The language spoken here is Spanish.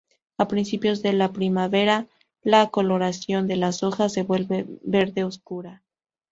A principios de la primavera la coloración de las hojas se vuelve verde oscura.